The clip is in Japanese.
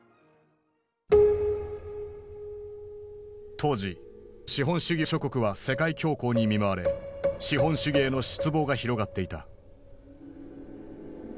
当時資本主義諸国は世界恐慌に見舞われ資本主義への失望が広がっていた。